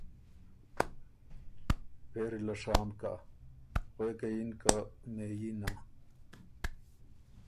پېری له شام کَۀ غوېکه یِن که ”مهئينه “